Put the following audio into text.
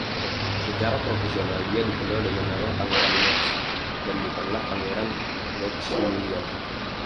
Secara profesional, dia dikenal dengan nama Pangeran Max, dan bukanlah Pangeran Maximilian.